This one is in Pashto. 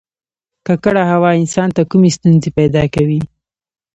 ککړه هوا انسان ته کومې ستونزې پیدا کوي